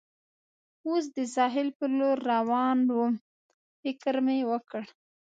اوس د ساحل پر لور روان ووم، فکر مې وکړ.